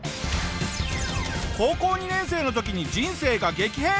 高校２年生の時に人生が激変！